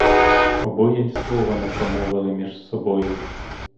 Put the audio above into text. Обоє й слова не промовили між собою.